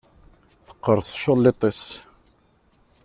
Teqqeṛs tculliḍt-is.